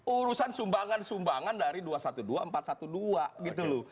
urusan sumbangan sumbangan dari dua ratus dua belas empat ratus dua belas gitu loh